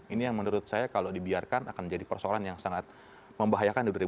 ini yang menurut saya kalau dibiarkan akan jadi persoalan yang sangat membahayakan di dua ribu delapan belas